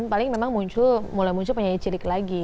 paling memang muncul mulai muncul penyanyi cirik lagi